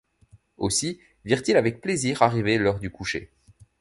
Aussi virent-ils avec plaisir arriver l’heure du coucher.